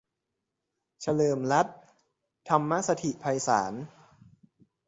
เฉลิมรัตน์ ธรรมสถิตไพศาล